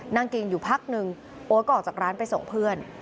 นั่งกินอยู่พักนึงโอ๊ตก็ออกจากร้านไปส่งเพื่อน